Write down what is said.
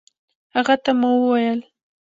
هغه ته مو وويل